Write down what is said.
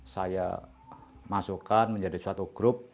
saya masukkan menjadi suatu grup